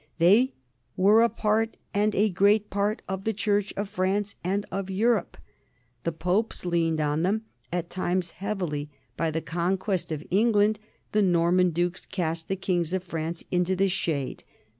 They "were a part, and a great part, of the Church, of France, and of Europe.*' The Popes leaned on them, at times heavily. By the conquest of England the "Norman dukes cast the kings of France into the shade.